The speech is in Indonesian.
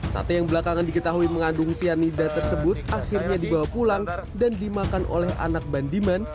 sate yang belakangan diketahui mengandung cyanida tersebut akhirnya dibawa pulang dan dimakan oleh anak bandiman